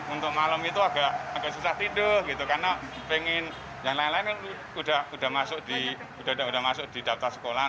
untuk malam itu agak susah tidur gitu karena pengen yang lain lain kan udah masuk di daftar sekolah